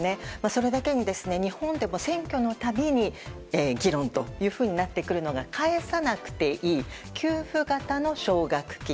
それだけに日本でも選挙のたびに議論となってくるのが返さなくていい給付型の奨学金